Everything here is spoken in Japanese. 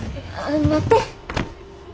待って。